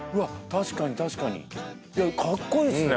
確かに確かにカッコいいっすね